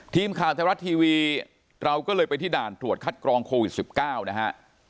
ทีมข่าวไทยรัฐทีวีเราก็เลยไปที่ด่านตรวจคัดกรองโควิด๑๙นะฮะ